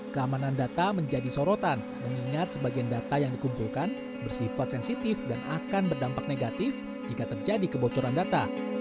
keamanan data menjadi sorotan mengingat sebagian data yang dikumpulkan bersifat sensitif dan akan berdampak negatif jika terjadi kebocoran data